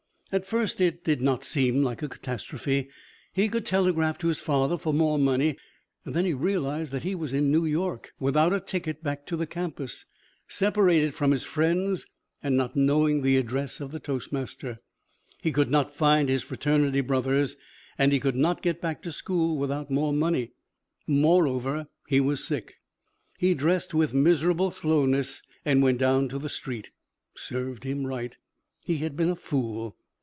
At first it did not seem like a catastrophe. He could telegraph to his father for more money. Then he realized that he was in New York, without a ticket back to the campus, separated from his friends, and not knowing the address of the toastmaster. He could not find his fraternity brothers and he could not get back to school without more money. Moreover, he was sick. He dressed with miserable slowness and went down to the street. Served him right. He had been a fool.